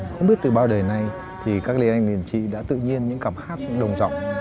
không biết từ bao đời nay thì các liền anh liền chị đã tự nhiên những cảm hát đồng trọng